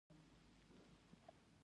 اوږدمهاله فشار د معافیت سیستم کمزوری کوي.